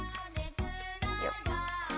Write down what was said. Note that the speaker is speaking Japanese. よっ！